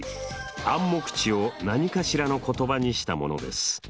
暗黙知を何かしらの言葉にしたものです。